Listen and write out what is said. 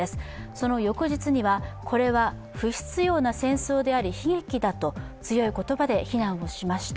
その翌日には、これは不必要な戦争であり悲劇だと強い言葉で非難しました。